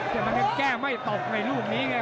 แต่มันแค่แก้งไม่ตกในรูปนี้ไง